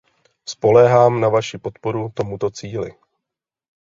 Spoléhám na vaši podporu tomuto cíli.